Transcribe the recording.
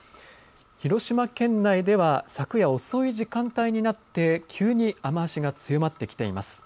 広島県内では昨夜、遅い時間帯になって急に雨足が強まってきています。